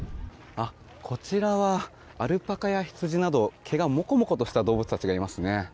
こちらはアルパカやヒツジなど毛がもこもことした動物たちがいますね。